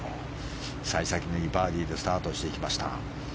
幸先のいいバーディーでスタートしていきました。